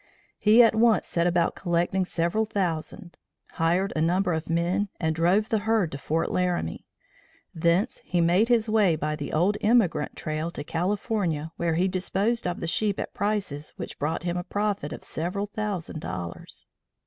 He at once set about collecting several thousand, hired a number of men and drove the herd to Fort Laramie: thence he made his way by the old emigrant trail to California where he disposed of the sheep at prices which brought him a profit of several thousand dollars.